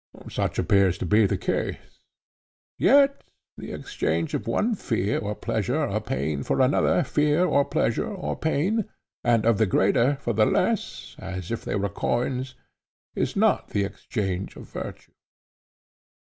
Such appears to be the case. Yet the exchange of one fear or pleasure or pain for another fear or pleasure or pain, and of the greater for the less, as if they were coins, is not the exchange of virtue.